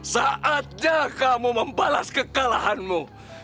saatnya kamu membalas kekalahanmu